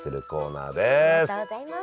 ありがとうございます。